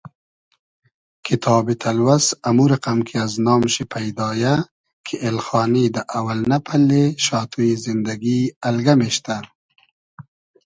کیتابی تئلوئس امو رئقئم کی از نام شی پݷدا یۂ کی ایلخانی دۂ اۆئلنۂ پئلې شاتوی زیندئگی الگئم اېشتۂ